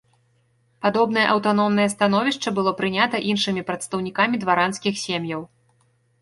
Падобнае аўтаномнае становішча было прынята іншымі прадстаўнікамі дваранскіх сем'яў.